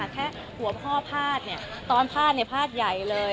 แค่หัวพ่อพลาดเนี่ยตอนพลาดเนี่ยพลาดใหญ่เลย